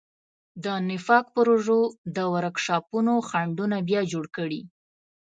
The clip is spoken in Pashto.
د نفاق پروژو د ورکشاپونو خنډونه بیا جوړ کړي.